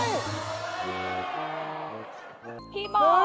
เฮ้ยพี่บอล